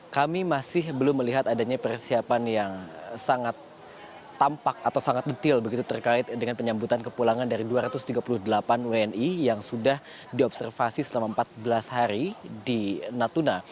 kami masih belum melihat adanya persiapan yang sangat tampak atau sangat detail begitu terkait dengan penyambutan kepulangan dari dua ratus tiga puluh delapan wni yang sudah diobservasi selama empat belas hari di natuna